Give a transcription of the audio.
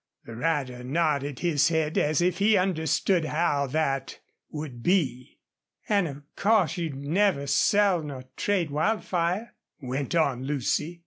The rider nodded his head as if he understood how that would be. "And of course you'd never sell nor trade Wildfire?" went on Lucy.